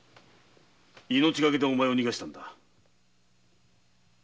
命がけでお前を逃したんだ。